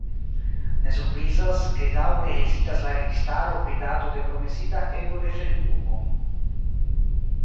Ne surprizas, ke daŭre hezitas la registaro pri dato de promesita eŭro-referendumo.